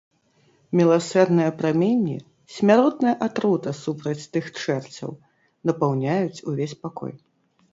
Міласэрныя праменні — смяротная атрута супраць тых чэрцяў — напаўняюць увесь пакой.